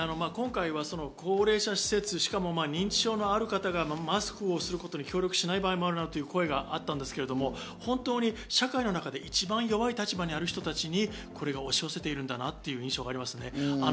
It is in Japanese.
今回は高齢者施設、しかも認知症のある方がマスクをすることに協力できない場合もあるという声があったんですが、社会の中で一番弱い立場の方にこれが押し寄せているんだなという印象があります。